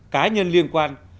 cá nhân liên quan